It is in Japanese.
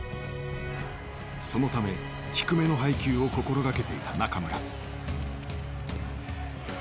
そのため低めの配球を心がけていた中村。